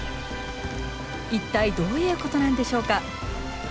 一体どういうことなんでしょうか？